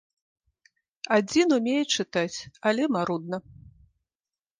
Адзін умее чытаць, але марудна.